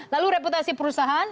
lalu reputasi perusahaan